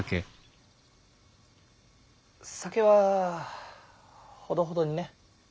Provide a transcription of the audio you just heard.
酒はほどほどにね。